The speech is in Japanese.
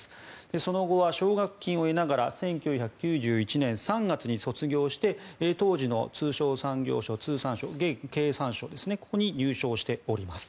その後は奨学金を得ながら１９９１年３月に卒業して当時の通商産業省、現経産省ここに入省しております。